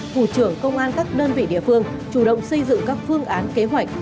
thủ trưởng công an các đơn vị địa phương chủ động xây dựng các phương án kế hoạch